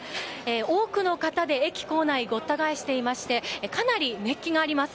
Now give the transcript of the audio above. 多くの方で駅構内ごった返していましてかなり熱気があります。